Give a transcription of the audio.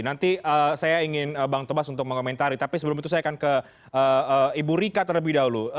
nanti saya ingin bang tobas untuk mengomentari tapi sebelum itu saya akan ke ibu rika terlebih dahulu